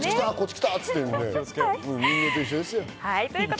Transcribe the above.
人間と一緒ですよ。